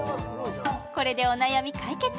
これでお悩み解決